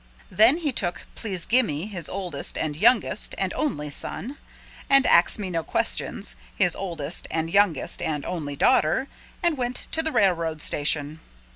Then he took Please Gimme, his oldest and youngest and only son, and Ax Me No Questions, his oldest and youngest and only daughter, and went to the railroad station.